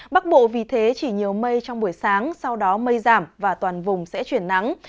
bắc bộ vì thế chỉ nhiều mây trong buổi sáng sau đó mây giảm và toàn vùng sẽ chuyển nắng